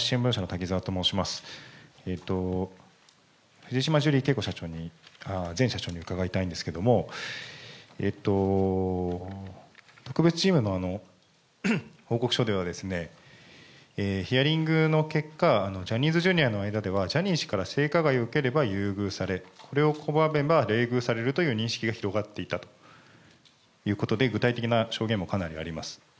藤島ジュリー景子前社長に伺いたいんですけれども、特別チームの報告書では、ヒアリングの結果、ジャニーズＪｒ．の間では、ジャニー氏から性加害を受ければ優遇され、それを拒めば冷遇されるという認識が広がっていたということで、具体的な証言もかなりあります。